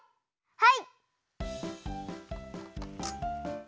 はい。